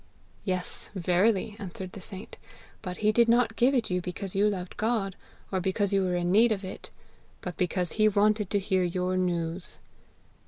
'Yes, verily!' answered the saint, 'but he did not give it you because you loved God, or because you were in need of it, but because he wanted to hear your news.'